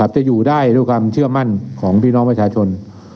จะอยู่ได้ด้วยความเชื่อมั่นของพี่น้องประชาชน